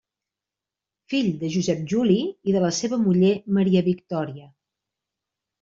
Fill de Josep Juli i de la seva muller Maria Victòria.